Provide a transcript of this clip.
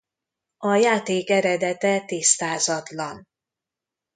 A játék eredete tisztázatlan.